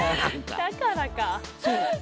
だからか。